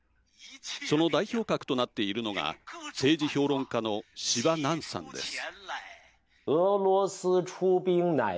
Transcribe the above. その代表格となっているのが政治評論家の司馬南さんです。